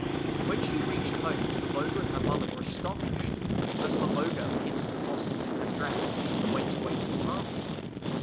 When she reached home Zloboga and her mother were astonished, but Zloboga pinned the blossoms in her dress and went away to the party.